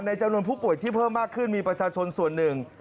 จำนวนผู้ป่วยที่เพิ่มมากขึ้นมีประชาชนส่วนหนึ่ง